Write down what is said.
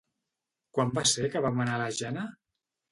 Quan va ser que vam anar a la Jana?